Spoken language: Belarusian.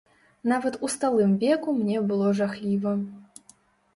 Нават у сталым веку мне было жахліва.